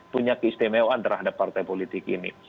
punya keistimewaan terhadap partai politik ini